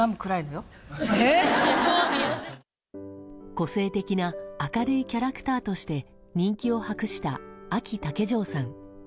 個性的な明るいキャラクターとして人気を博した、あき竹城さん。